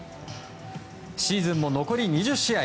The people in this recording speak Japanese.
シーズンも残り２０試合。